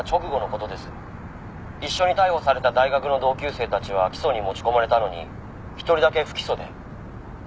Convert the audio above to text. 「一緒に逮捕された大学の同級生たちは起訴に持ち込まれたのに１人だけ不起訴で」